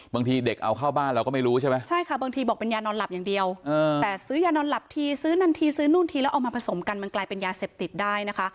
บางทีเด็กเอาเข้าบ้านเราก็ไม่รู้ใช่ไหมใช่ค่ะบางทีบอกเป็นยานอนหลับอย่างเดียวแต่ซื้อยานอนหลับทีซื้อนาทีซื้อนู่นทีแล้วเอามาผสมกันมันกลายเป็นยาเสพติดได้นะคะ